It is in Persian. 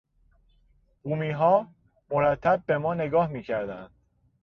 بومیها مرتب به ما نگاه میکردند.